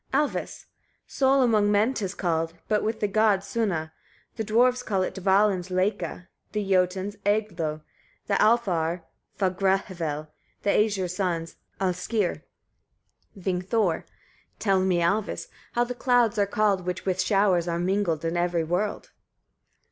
Alvis. 17. Sol among men 'tis called, but with the gods sunna, the dwarfs call it Dvalinn's leika, the Jotuns eyglo, the Alfar fagrahvel, the Æsir's sons alskir. Vingthor. 18. Tell me, Alvis, etc., how the clouds are called, which with showers are mingled in every world.